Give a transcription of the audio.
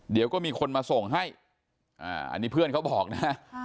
เดี๋ยวก็มีคนมาส่งให้อันนี้เพื่อนเขาบอกนะ